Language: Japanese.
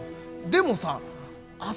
でもさあ